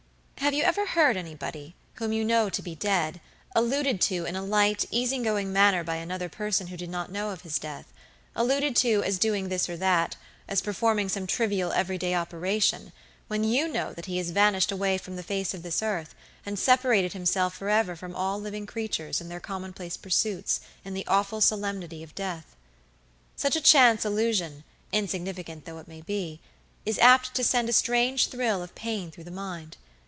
Have you ever heard anybody, whom you knew to be dead, alluded to in a light, easy going manner by another person who did not know of his deathalluded to as doing that or this, as performing some trivial everyday operationwhen you know that he has vanished away from the face of this earth, and separated himself forever from all living creatures and their commonplace pursuits in the awful solemnity of death? Such a chance allusion, insignificant though it may be, is apt to send a strange thrill of pain through the mind.